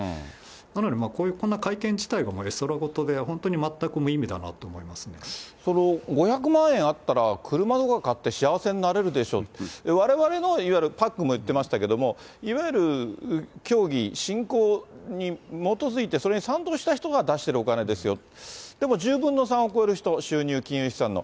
なのでこんな会見自体が絵空事で、本当にまったく無意味だなと思い５００万円あったら車とか買って、幸せになれるでしょって、われわれのいわゆる、パックンも言ってましたけども、いわゆる教義、信仰に基づいて、それに賛同した人が出してるお金ですよ、でも１０分の３を超える人、収入、金融資産の。